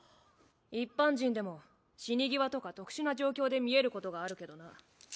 一般人でも死に際とか特殊な状況で見えることがあるけどな